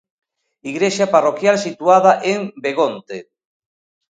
Igrexa parroquial situada en Begonte.